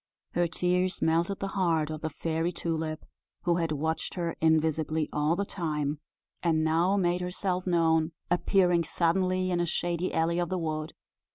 Her tears melted the heart of the Fairy Tulip, who had watched her invisibly all the time, and now made herself known appearing suddenly in a shady alley of the wood.